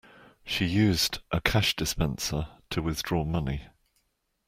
She used a cash dispenser to withdraw money